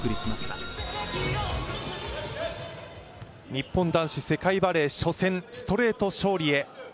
日本男子世界バレー初戦ストレート勝利へ。